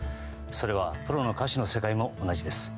それは、プロの歌手の世界も同じです。